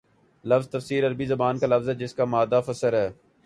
لفظ تفسیر عربی زبان کا لفظ ہے جس کا مادہ فسر ہے